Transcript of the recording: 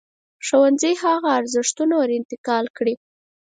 ښوونځی هغه ارزښتونه ور انتقال کړي.